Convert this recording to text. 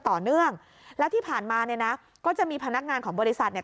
ต่อเนื่องแล้วที่ผ่านมาเนี่ยนะก็จะมีพนักงานของบริษัทเนี่ย